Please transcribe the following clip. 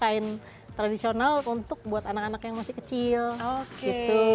kain tradisional untuk buat anak anak yang masih kecil gitu